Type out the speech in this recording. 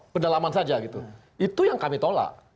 pendalaman saja gitu itu yang kami tolak